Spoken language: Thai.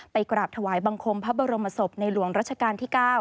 กราบถวายบังคมพระบรมศพในหลวงรัชกาลที่๙